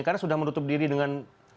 karena sudah menutup diri dengan